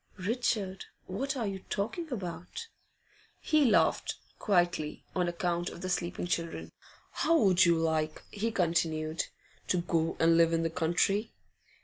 'Richard, what are you talking about?' He laughed, quietly, on account of the sleeping children. 'How would you like,' he continued, 'to go and live in the country?